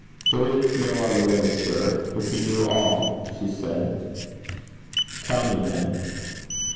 'There is no other way, sir if you knew all,' she said. 'Tell me, then.'